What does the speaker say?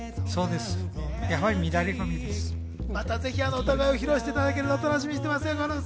またぜひ歌声を披露していただけるんで楽しみにしています。